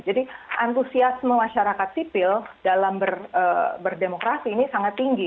antusiasme masyarakat sipil dalam berdemokrasi ini sangat tinggi